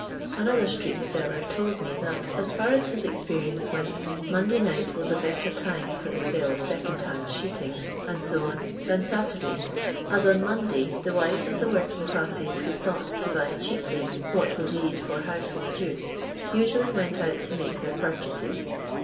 Another street seller told me that, as far as his experience went, Monday night was a better time for the sale of second hand sheetings, &c., than Saturday, as on Monday the wives of the working clasKCS who sought to buy cheaply what was needed for household use, usually went out to make their purchases.